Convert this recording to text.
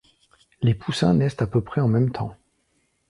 Les poussins naissent à peu près en même temps.